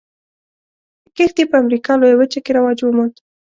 کښت یې په امریکا لویه وچه کې رواج وموند.